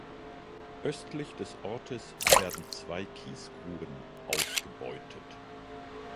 Östlich des Ortes werden zwei Kiesgruben ausgebeutet.